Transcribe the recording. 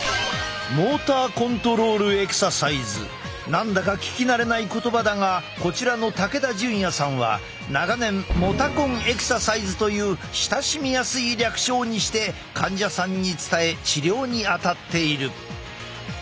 何だか聞き慣れない言葉だがこちらの武田淳也さんは長年モタコンエクササイズという親しみやすい略称にして患者さんに伝え治療に当たっている。